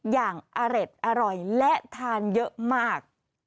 อย่างอเล็ดอร่อยและทานเยอะมาก